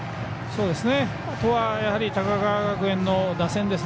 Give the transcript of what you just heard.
あとは高川学園の打線です。